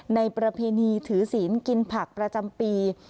ประเพณีถือศีลกินผักประจำปี